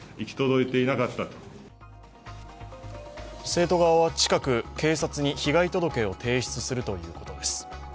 生徒側は近く警察に被害届を提出するということです。